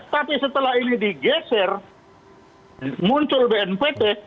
tapi setelah ini digeser muncul bnpt